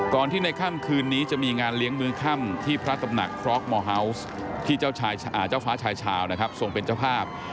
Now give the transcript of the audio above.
ที่ในค่ำคืนนี้จะมีงานเลี้ยงเมืองค่ำที่พระตำหนักฟรอกมอร์ฮาวส์ที่เจ้าฟ้าชายชาวนะครับทรงเป็นเจ้าภาพ